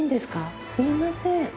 すいません。